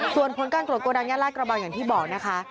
ส่วนผลการตรวจโกดังย่านลาดกระบังอย่างที่บอกนะคะ